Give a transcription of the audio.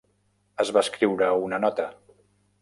Es va escriure una nota.